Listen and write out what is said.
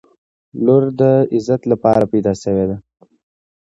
• لور د عزت لپاره پیدا شوې ده.